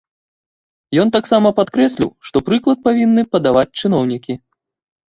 Ён таксама падкрэсліў, што прыклад павінны падаваць чыноўнікі.